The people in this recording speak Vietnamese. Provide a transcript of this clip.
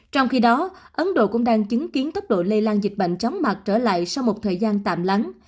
trong khi đó ấn độ cũng đang chứng kiến tốc độ lây lan dịch bệnh chóng mặt trở lại sau một thời gian tạm lắng